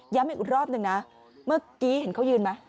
อีกรอบหนึ่งนะเมื่อกี้เห็นเขายืนไหม